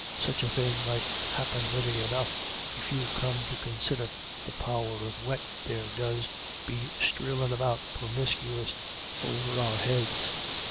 Such a thing might happen ready enough, if you come to considher the power o' wet there does be streelin' about promiscuous over our heads.